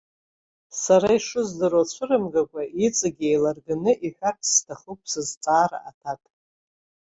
Сара ишыздыруа цәырымгакәа, иҵегьы еилырганы иҳәарц сҭахуп сызҵаара аҭак.